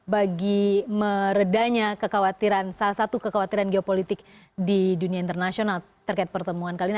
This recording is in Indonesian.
bagi meredanya kekhawatiran salah satu kekhawatiran geopolitik di dunia internasional terkait pertemuan kali ini